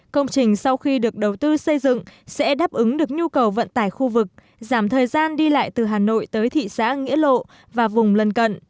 công trình sau khi được đầu tư xây dựng sẽ đáp ứng được nhu cầu vận tải khu vực giảm thời gian đi lại từ hà nội tới thị xã nghĩa lộ và vùng lân cận